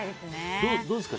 どうですか？